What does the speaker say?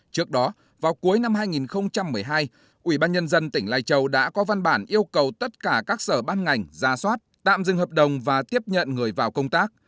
trước đó vào cuối năm hai nghìn một mươi hai ubnd tỉnh lai châu đã có văn bản yêu cầu tất cả các sở ban ngành ra soát tạm dừng hợp đồng và tiếp nhận người vào công tác